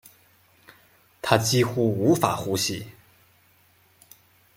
她几乎无法呼吸